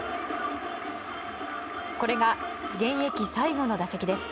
これが現役最後の打席です。